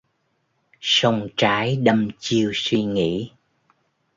Song trái đăm chiêu suy nghĩ